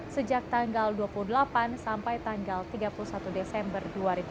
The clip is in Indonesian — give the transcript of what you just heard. sejak tanggal dua puluh delapan sampai tanggal tiga puluh satu desember dua ribu dua puluh